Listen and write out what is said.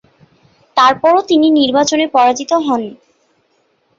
তারপরও তিনি নির্বাচনে পরাজিত হন।